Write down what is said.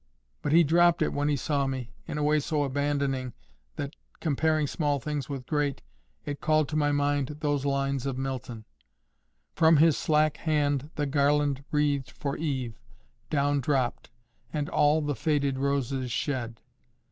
—But he dropped it when he saw me, in a way so abandoning that—comparing small things with great—it called to my mind those lines of Milton:— "From his slack hand the garland wreathed for Eve, Down dropt, and all the faded roses shed."